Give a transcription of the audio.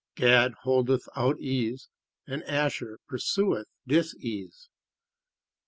Gad holdeth out ease, and Asher pursueth disease.